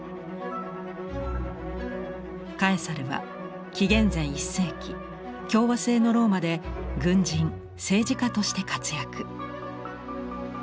カエサルは紀元前１世紀共和政のローマで軍人・政治家として活躍。